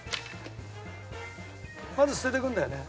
まず捨てていくんだよね？